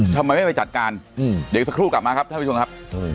ทำไมไม่ไปจัดการเดี๋ยวอีกสักครู่กลับมาครับท่านผู้ชมครับ